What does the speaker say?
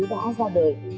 đã ra đời